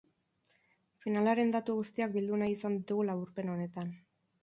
Finalaren datu guztiak bildu nahi izan ditugu laburpen honetan.